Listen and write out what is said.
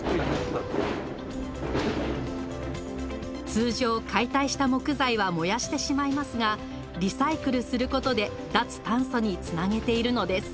通常解体した木材は燃やしてしまいますがリサイクルすることで脱炭素につなげているのです